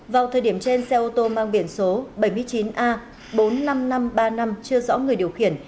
vào thời điểm trên xe ô tô mang biển số bảy mươi chín a bốn mươi năm nghìn năm trăm ba mươi năm chưa rõ người điều khiển